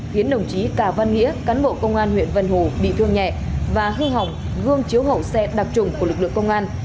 khiến đồng chí cà văn nghĩa cán bộ công an huyện vân hồ bị thương nhẹ và hư hỏng gương chiếu hậu xe đặc trùng của lực lượng công an